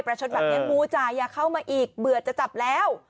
ชดแบบนี้มูจ่ายอย่าเข้ามาอีกเบื่อจะจับแล้ว